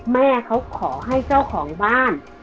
แม่เขาขอให้เจ้าของบ้าน